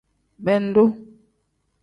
Bendu.